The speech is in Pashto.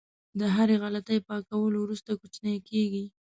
د هرې غلطۍ پاکولو وروسته کوچنی کېږي.